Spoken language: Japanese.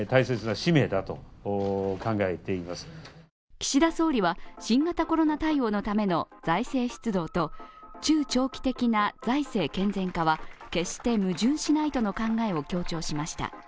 岸田総理は新型コロナ対応のための財政出動と中長期的な財政健全化は、決して矛盾しないとの考えを強調しました。